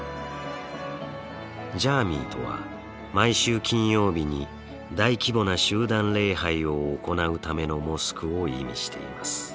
ジャーミイとは毎週金曜日に大規模な集団礼拝を行うためのモスクを意味しています。